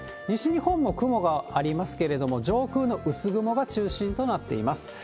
西日本も雲がありますけれども、上空の薄雲が中心となっています。